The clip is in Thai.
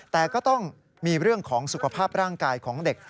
แต่ก็ต้องมีเรื่องของสุขภาพร่างกายของเด็ก